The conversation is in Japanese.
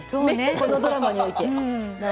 このドラマにおける。